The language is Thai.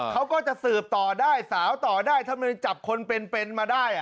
เขาก็จะสืบต่อได้สาวต่อได้ทำไมจับคนเป็นมาได้